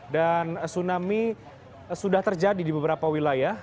dan tsunami sudah terjadi di beberapa wilayah